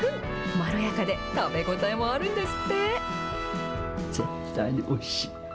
まろやかで、食べ応えもあるんですって。